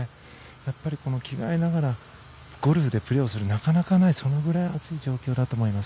やっぱり着替えながらゴルフでプレーをするなかなかない、そのぐらい暑い状況だと思います。